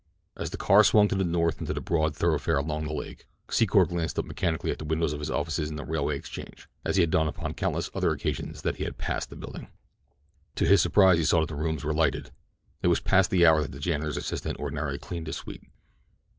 As the car swung to the north into the broad thoroughfare along the lake, Secor glanced up mechanically at the windows of his offices in the Railway Exchange, as he had done upon countless other occasions that he had passed the building. To his surprise he saw that the rooms were lighted. It was past the hour that the janitor's assistants ordinarily cleaned his suite.